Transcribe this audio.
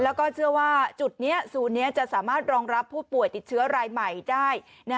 แล้วก็เชื่อว่าจุดนี้ศูนย์นี้จะสามารถรองรับผู้ป่วยติดเชื้อรายใหม่ได้